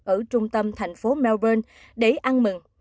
ở trung tâm thành phố melbourne để ăn mừng